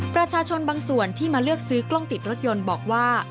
ประชาชนบางส่วนที่มาเลือกซื้อกล้องติดรถยนต์บอกว่า